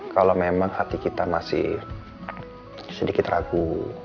kalau memang hati kita masih sedikit ragu